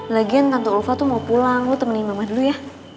lagian tante ova tuh mau pulang gue temenin mama dulu ya